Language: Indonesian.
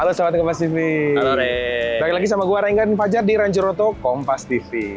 halo sobat kompas tv balik lagi sama gue renggan fajar di ranjeroto kompas tv